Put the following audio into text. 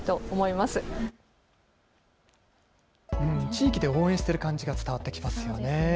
地域で応援している感じが伝わってきますね。